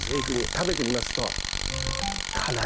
食べてみますと辛いんですよ。